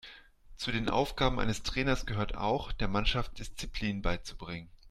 Zu den Aufgaben eines Trainers gehört auch, der Mannschaft Disziplin beizubringen.